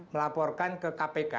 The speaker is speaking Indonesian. melaporkan ke kpk